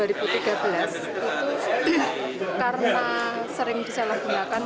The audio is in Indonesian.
itu karena sering disalahgunakan